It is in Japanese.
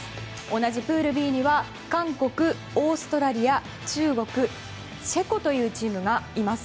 同じプールＢには韓国、オーストラリア、中国チェコというチームがいます。